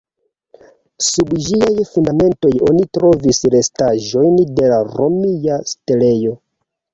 Sub ĝiaj fundamentoj oni trovis restaĵojn de romia setlejo.